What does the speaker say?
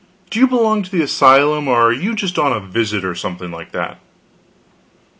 Do you belong to the asylum, or are you just on a visit or something like that?"